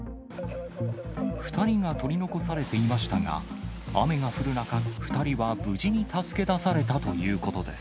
２人が取り残されていましたが、雨が降る中、２人は無事に助け出されたということです。